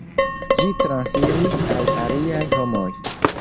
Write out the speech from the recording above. Ĝi transiris al aliaj homoj.